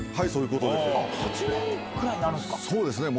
そういうことです。